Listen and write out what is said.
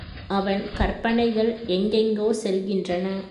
அவன் கற்பனைகள் எங்கெங்கோ செல்கின்றன.